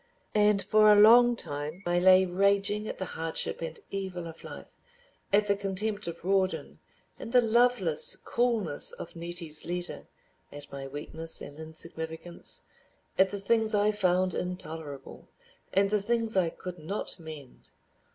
And for a long time I lay raging at the hardship and evil of life, at the contempt of Rawdon, and the loveless coolness of Nettie's letter, at my weakness and insignificance, at the things I found intolerable, and the things I could not mend.